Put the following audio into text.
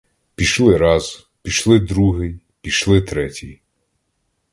Пішли раз, пішли другий, пішли третій.